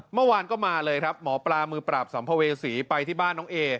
เมื่อวานก็มาเลยครับหมอปลามือปราบสัมภเวษีไปที่บ้านน้องเอ